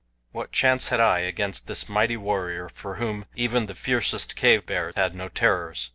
What chance had I against this mighty warrior for whom even the fiercest cave bear had no terrors!